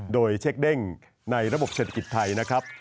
โดยเช็คเด้งในระบบเศรษฐกิจไทยนะครับ